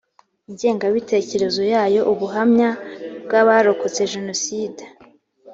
ingengabitekerezo yayo ubuhamya bw abarokotse jenoside